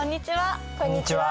こんにちは。